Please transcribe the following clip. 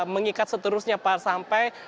mengikat seterusnya sampai